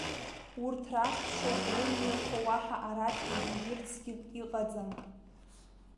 Урҭ рахьтә шьоук рымҩақәа уаҳа арахь игьежьырцгьы иҟаӡам.